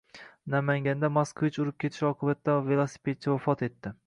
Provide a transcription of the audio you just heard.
Namanganda Moskvich urib ketishi oqibatida velosipedchi vafot etdi